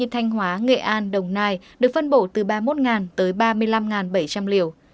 thanh hóa nghệ an đồng nai được phân bổ từ ba mươi một tới ba mươi năm bảy trăm linh liều